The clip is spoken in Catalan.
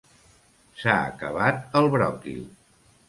S'ha acabat el bròquil.